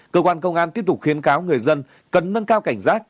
cơ quan công an tiếp tục khuyến cáo người dân cần nâng cao cảnh giác